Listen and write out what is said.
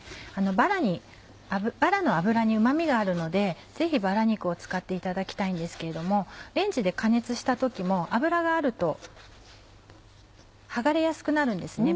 バラの脂にうま味があるのでぜひバラ肉を使っていただきたいんですけれどもレンジで加熱した時も脂があると剥がれやすくなるんですね